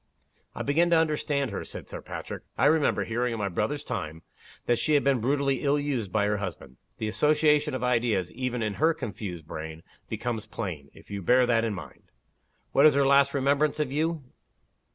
"I begin to understand her," said Sir Patrick. "I remember hearing, in my brother's time, that she had been brutally ill used by her husband. The association of id eas, even in her confused brain, becomes plain, if you bear that in mind. What is her last remembrance of you?